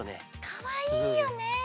かわいいよねえ！